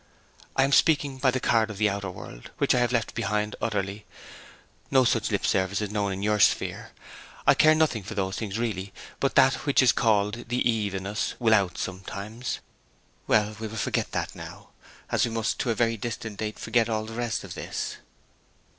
'I am speaking by the card of the outer world, which I have left behind utterly; no such lip service is known in your sphere. I care nothing for those things, really; but that which is called the Eve in us will out sometimes. Well, we will forget that now, as we must, at no very distant date, forget all the rest of this.'